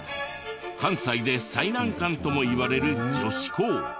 関西で最難関ともいわれる女子校。